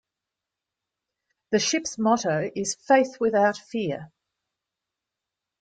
"The ships motto is "Faith without Fear".